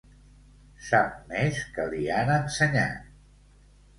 Sap més que li han ensenyat.